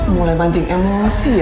mulai pancing emosi ya